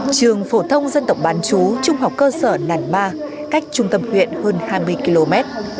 trường phổ thông dân tộc bán chú trung học cơ sở nàn ma cách trung tâm huyện hơn hai mươi km